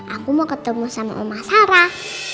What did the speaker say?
aku mau ketemu sama omah sarah